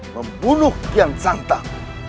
membunuh kian santan